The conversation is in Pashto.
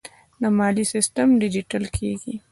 د مالیې سیستم ډیجیټل کیږي